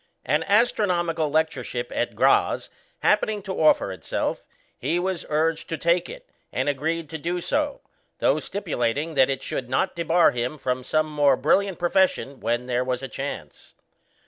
An astronomical lectureship at Graz happening to offer itself, he was urged to take it, and agreed to do so, though stipulating that it should not debar him from some more brilliant profession when there was a chance.